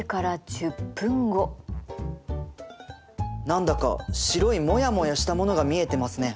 何だか白いモヤモヤしたものが見えてますね。